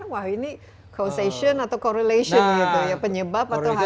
wah ini causation atau correlation gitu ya penyebab atau hanya